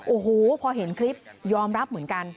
โอ้โหพอเห็นคลิปยอมรับเหมือนกัน